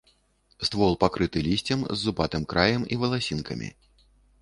Ствол пакрыты лісцем з зубатым краем і валасінкамі.